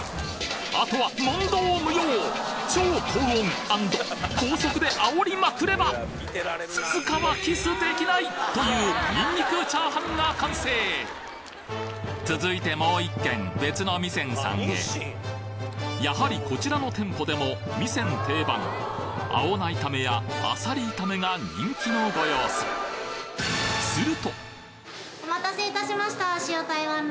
あとは問答無用超高温＆高速で煽りまくれば２日はキスできない！というニンニクチャーハンが完成続いてもう１軒別の味仙さんへやはりこちらの店舗でも味仙定番青菜炒めやあさり炒めが人気のご様子お待たせいたしました。